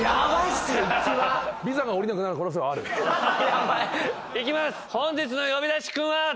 ヤバい！いきます。